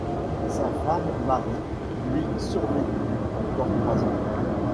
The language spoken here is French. Sa femme Mary lui survécut encore trois ans.